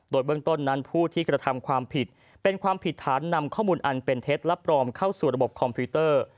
โดยเบื้องต้นนั้นผู้ที่กระทำความผิดเป็นความผิดฐานนำข้อมูลอันเป็นเท็จและปลอมเข้าสู่ระบบคอมพิวเตอร์